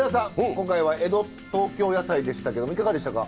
今回は江戸東京野菜でしたけどもいかがでしたか？